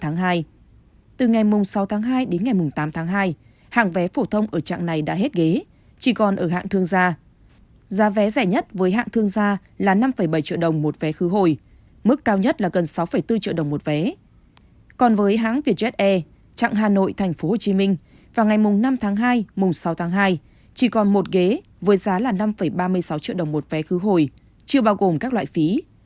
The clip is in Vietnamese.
ngày mùng bảy tháng hai còn hai ghế với giá là năm ba mươi sáu triệu đồng một vé khứ hồi chưa bao gồm các loại phí